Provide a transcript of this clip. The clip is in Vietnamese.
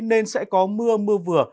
nên sẽ có mưa mưa vừa